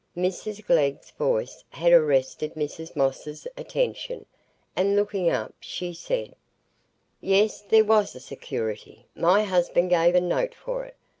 Mrs Glegg's voice had arrested Mrs Moss's attention, and looking up, she said: "Yes, there was security; my husband gave a note for it.